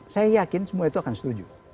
saya yakin semua itu akan setuju